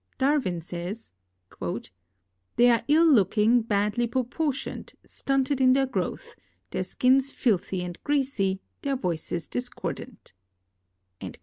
Darwin says, " They are ill looking, badly proportioned, stunted in their growth, their skins filthy and greasy, their voices discordant."